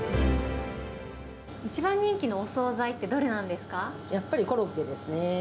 一番人気のお総菜ってどれなやっぱりコロッケですね。